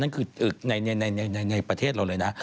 นั่นคือในประเทศเราเลยนะ